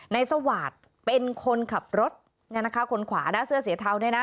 นายสวาสเป็นคนขับรถนี่นะคะคนขวาเสื้อเสียเทาเนี่ยนะ